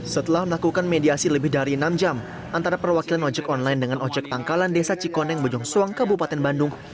setelah melakukan mediasi lebih dari enam jam antara perwakilan ojek online dengan ojek pangkalan desa cikoneng bojongsoang kabupaten bandung